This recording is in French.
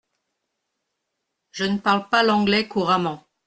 Je ne parle pas l’anglais couramment.